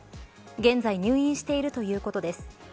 現在入院しているということです。